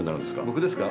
僕ですか？